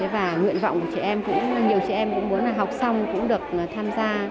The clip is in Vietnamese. và nhiều chị em cũng muốn học xong cũng được tham gia